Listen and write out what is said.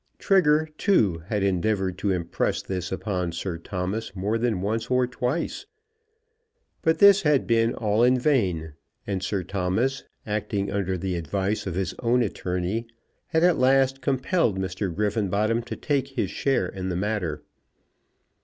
Trigger, too, had endeavoured to impress this upon Sir Thomas more than once or twice. But this had been all in vain; and Sir Thomas, acting under the advice of his own attorney, had at last compelled Mr. Griffenbottom to take his share in the matter.